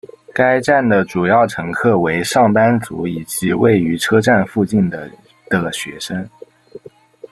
该站的主要乘客为上班族以及位于车站附近的的学生。